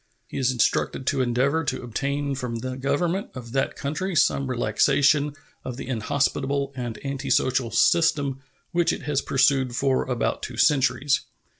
He is instructed to endeavor to obtain from the Government of that country some relaxation of the inhospitable and antisocial system which it has pursued for about two centuries.